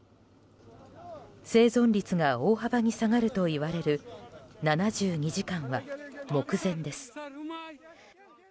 生存率が大幅に下がるといわれる７２時間は目前です。